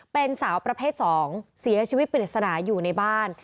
เป็นสาวประเภท๒เสียชีวิตปริศนาอยู่ในบ้าน